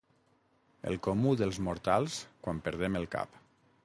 El comú dels mortals quan perdem el cap.